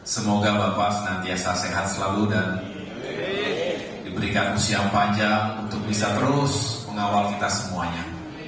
semoga bapak senantiasa sehat selalu dan diberikan usia panjang untuk bisa terus mengawal kita semuanya